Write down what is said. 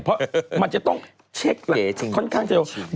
เพราะมันจะต้องเช็คค่อนข้างเร็ว